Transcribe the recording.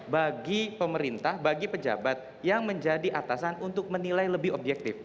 bagi pemerintah bagi pejabat yang menjadi atasan untuk menilai lebih objektif